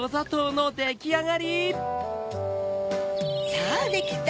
さぁできた！